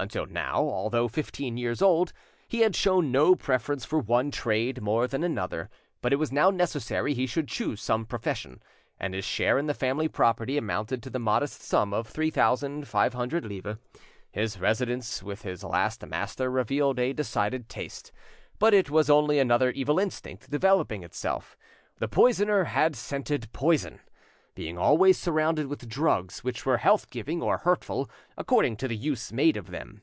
Until now, although fifteen years old, he had shown no preference for one trade more than another, but it was now necessary he should choose some profession, and his share in the family property amounted to the modest sum of three thousand five hundred livres. His residence with this last master revealed a decided taste, but it was only another evil instinct developing itself: the poisoner had scented poison, being always surrounded with drugs which were health giving or hurtful, according to the use made of them.